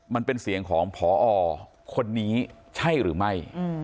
มันเป็นเสียงของพอคนนี้ใช่หรือไม่